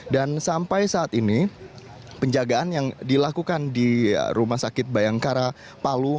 dan sampai saat ini penjagaan yang dilakukan di rumah sakit bayangkara polri